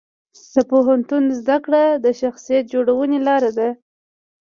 د پوهنتون زده کړه د شخصیت جوړونې لار ده.